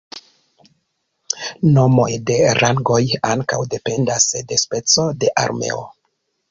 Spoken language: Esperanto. Nomoj de rangoj ankaŭ dependas de speco de armeo.